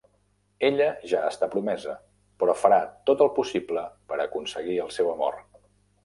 Ella ja està promesa, però farà tot el possible per aconseguir el seu amor.